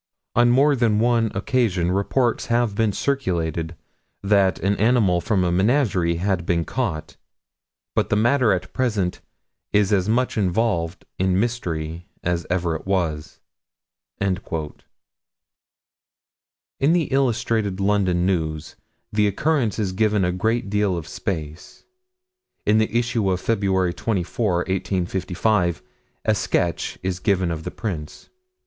On more than one occasion reports have been circulated that an animal from a menagerie had been caught, but the matter at present is as much involved in mystery as ever it was." In the Illustrated London News, the occurrence is given a great deal of space. In the issue of Feb. 24, 1855, a sketch is given of the prints.